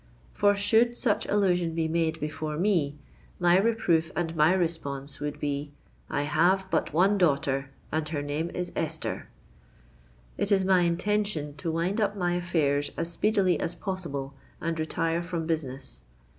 _'—for should such allusion be made before me, my reproof and my response would be, 'I have but one daughter—and her name is Esther!' It is my intention to wind up my affairs as speedily as possible and retire from business.